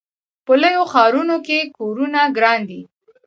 په لویو ښارونو کې کورونه ګران دي.